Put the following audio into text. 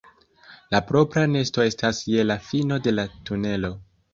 La propra nesto estas je la fino de la tunelo.